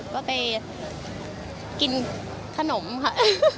ก็ไปกินขนมค่ะ